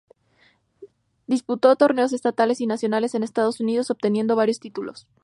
Disputó torneos estatales y nacionales en Estados Unidos, obteniendo varios títulos.